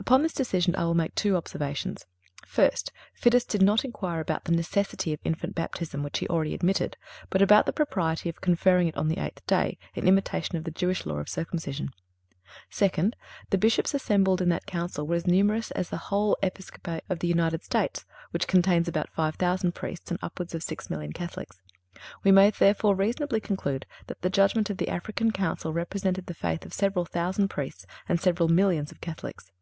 Upon this decision, I will make two observations: First—Fidus did not inquire about the necessity of infant baptism, which he already admitted, but about the propriety of conferring it on the eighth day, in imitation of the Jewish law of circumcision. Second—The Bishops assembled in that Council were as numerous as the whole Episcopate of the United States, which contains about five thousand Priests and upwards of six millions of Catholics. We may therefore reasonably conclude that the judgment of the African Council represented the faith of several thousand Priests and several millions of Catholics.